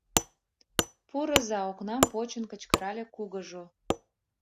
Пурыза, — окнам почын кычкырале кугыжо.